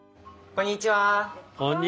こんにちは。